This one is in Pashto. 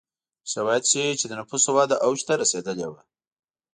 شواهد ښيي چې د نفوسو وده اوج ته رسېدلې وه.